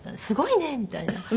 「すごいね」みたいな。